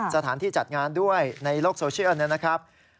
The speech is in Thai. สถานที่จัดงานด้วยในโลกโซเชียลนะครับ